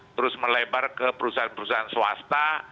terus melebar ke perusahaan perusahaan swasta